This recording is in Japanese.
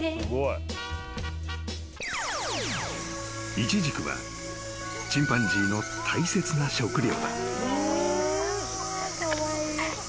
［イチジクはチンパンジーの大切な食料］